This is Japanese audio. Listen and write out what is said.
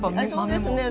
そうですね。